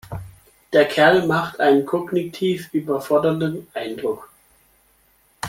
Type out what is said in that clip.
Der Kerl macht einen kognitiv überforderten Eindruck.